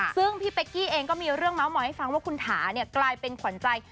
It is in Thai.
ซึ่งพี่เป๊กกี้เองก็มีเรื่องเมาส์มอยให้ฟังว่าคุณถาเนี่ยกลายเป็นขวัญใจ